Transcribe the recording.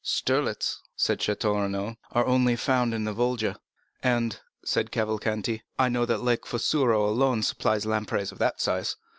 "Sterlets," said Château Renaud, "are only found in the Volga." "And," said Cavalcanti, "I know that Lake Fusaro alone supplies lampreys of that size."